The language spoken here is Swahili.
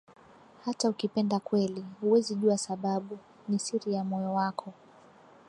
Hata ukipenda kweli, huwezi jua sababu, ni siri ya moyo wako.